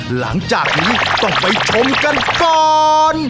หลังจากนี้ต้องไปชมกันก่อน